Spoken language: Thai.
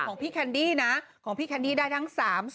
ของพี่แคนดี้นะของพี่แคนดี้ได้ทั้ง๓๐